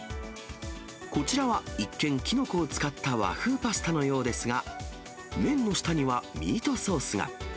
こちらは一見、キノコを使った和風パスタのようですが、麺の下にはミートソースが。